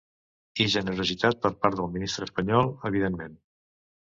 I generositat per part del ministre espanyol, evidentment.